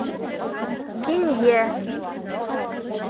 Кинйә.